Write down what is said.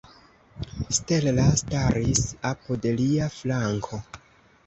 Stella staris apud lia flanko.